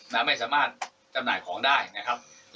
ไม่สามารถจำหน่ายของได้นะครับ